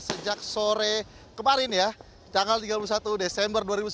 sejak sore kemarin ya tanggal tiga puluh satu desember dua ribu sembilan belas